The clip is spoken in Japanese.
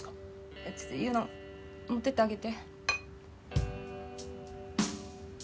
あっちょっと優乃持ってってあげて。